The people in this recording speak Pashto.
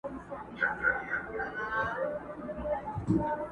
باران به اوري څوک به ځای نه درکوینه.!